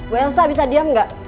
bu elsa bisa diam gak